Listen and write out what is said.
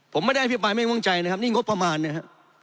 ผมไม่ได้เอาให้พี่ปรายไม่ง่วงใจนะครับนี่งบประมาณนะฮะ